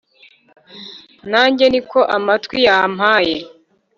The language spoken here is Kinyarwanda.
na njye ni ko amatwi yampaye